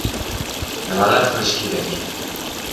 nimalar qilish kerak?